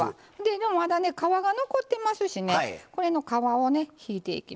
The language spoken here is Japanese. でもまだね皮が残ってますしねこれの皮をね引いていきますよ。